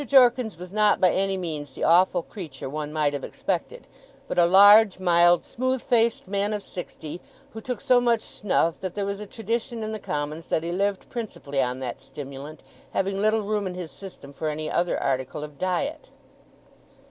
Jorkins was not by any means the awful creature one might have expected, but a large, mild, smooth faced man of sixty, who took so much snuff that there was a tradition in the Commons that he lived principally on that stimulant, having little room in his system for any other article of diet.